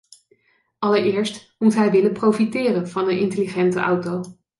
Allereerst moet hij willen profiteren van een intelligente auto.